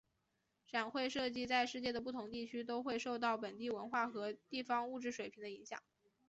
展会设计在世界的不同地区都会受到本地文化和地方物质水平的影响。